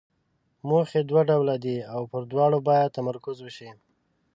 موخې دوه ډوله دي او پر دواړو باید تمرکز وشي.